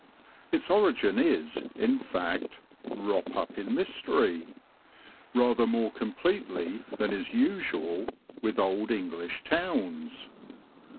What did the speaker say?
Its origin is, in fact, "wrop up in mystery" rather more completely than is usual with old English towns.